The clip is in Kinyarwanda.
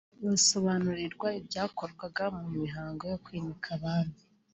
basobanurirwa ibyakorwaga mu mihango yo kwimika Abami